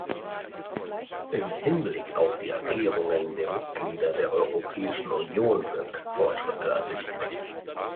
Im Hinblick auf die Erklärungen der Mitglieder der Europäischen Union sind Fortschritte ersichtlich.